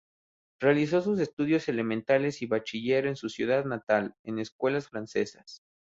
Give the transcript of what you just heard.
Realizó sus estudios elementales y bachiller en su ciudad natal, en escuelas francesas.